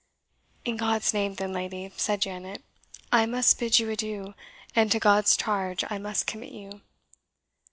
"In God's name, then, lady," said Janet, "I must bid you adieu, and to God's charge I must commit you!"